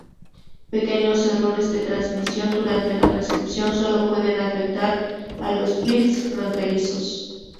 Pequeños errores de transmisión durante la recepción solo pueden afectar a los bits fronterizos.